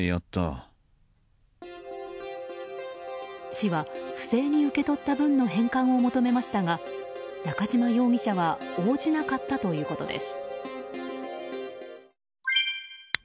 市は不正に受け取った分の返還を求めましたが中嶋容疑者は応じなかったということです。